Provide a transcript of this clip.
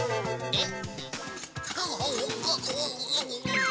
えっ？